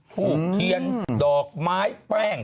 ทูบเทียนดอกไม้แป้ง